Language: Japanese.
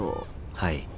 はい。